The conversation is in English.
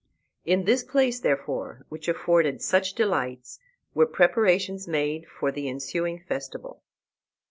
In this place, therefore, which afforded such delights, were preparations made for the ensuing festival.